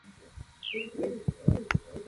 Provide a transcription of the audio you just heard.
La estación de Metro más cercana es Normal.